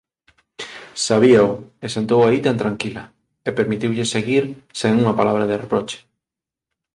Sabíao e sentou aí tan tranquila e permitiulles seguir sen unha palabra de reproche!